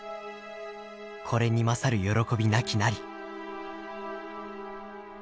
これに勝る喜びなきなり」。